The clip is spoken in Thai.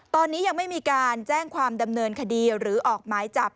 ตอนนี้ยังไม่มีการแจ้งความดำเนินคดีหรือออกหมายจับ